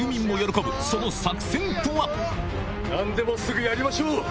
何でもすぐやりましょう！